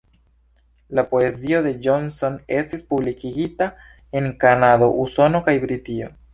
La poezio de Johnson estis publikigita en Kanado, Usono kaj Britio.